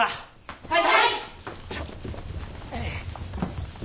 はい！